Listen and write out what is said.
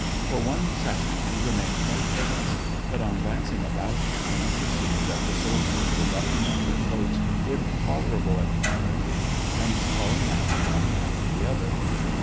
For one second he remained motionless, but, on glancing about him, he perceived that the soldiers were buttoning up their coats with tolerable equanimity, and crawl ing out, one after the other.